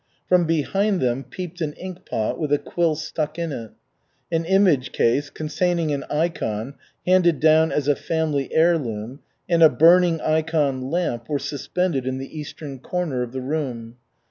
From behind them peeped an inkpot with a quill stuck in it. An image case containing an ikon handed down as a family heirloom and a burning ikon lamp were suspended in the eastern corner of the room.